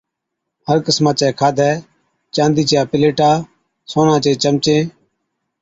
هر قِسما چَي کاڌَي، چاندِي چِيا پليٽا، سونا چين چمچين